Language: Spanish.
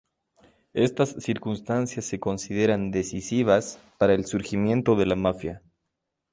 Estas circunstancias se consideran decisivas para el surgimiento de la mafia.